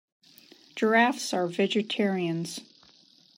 Giraffes are vegetarians.